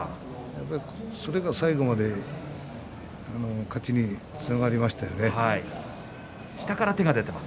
それが最後まで勝ちにつながりましたよね。